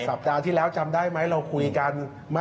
สัปดาห์ที่แล้วจำได้ไหมเราคุยกัน